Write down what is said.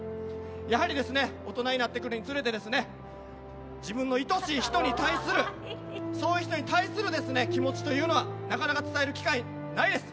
やはり大人になってくるにつれて自分の愛しい人に対する気持ちというのはなかなか伝える機会がないです。